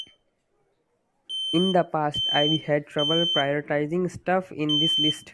In the past I've had trouble prioritizing stuff in this list.